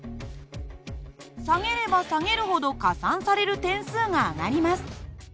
下げれば下げるほど加算される点数が上がります。